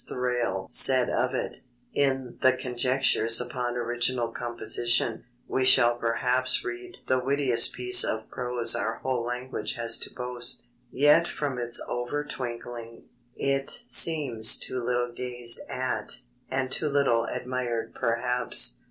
Thrale said of it: "In the Conjectures upon Original Composition ... we shall perhaps read the wittiest piece of prose our whole language has to boast; yet from its over twinkling, it seems too little gazed at and too little admired perhaps."